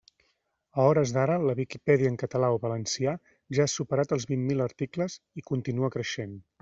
A hores d'ara la Viquipèdia en català o valencià, ja ha superat els vint mil articles, i continua creixent.